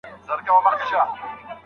په رواياتو کي راځي.